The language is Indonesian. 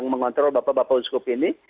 mengontrol bapak bapak uskup ini